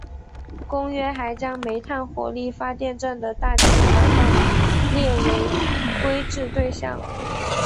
公约还将煤炭火力发电站的大气排放列为规制对象。